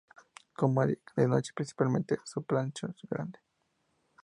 Come, de noche, principalmente zooplancton grande.